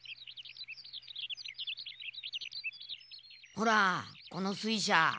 ほらこの水車。